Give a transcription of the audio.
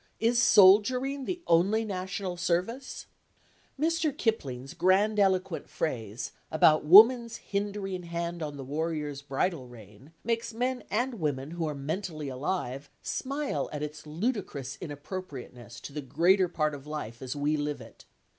Is soldiering the only national service? Mr. Kipling's grandiloquent phrase about woman's hindering hand on the warrior's bridle rein makes men and women who are mentally alive smile at its ludicrous inappropriateness to the greater part of life as we live it.